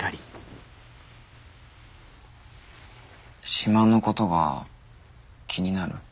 島のことが気になる？